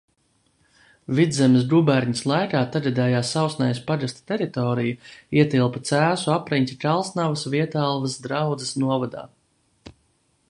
Vidzemes guberņas laikā tagadējā Sausnējas pagasta teritorija ietilpa Cēsu apriņķa Kalsnavas–Vietalvas draudzes novadā.